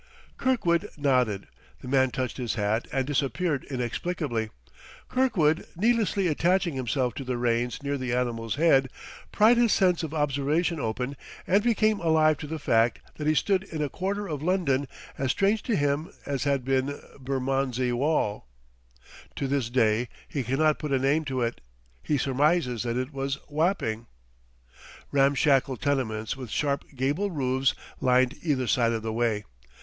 Kirkwood nodded. The man touched his hat and disappeared inexplicably. Kirkwood, needlessly attaching himself to the reins near the animal's head, pried his sense of observation open and became alive to the fact that he stood in a quarter of London as strange to him as had been Bermondsey Wall. To this day he can not put a name to it; he surmises that it was Wapping. Ramshackle tenements with sharp gable roofs lined either side of the way.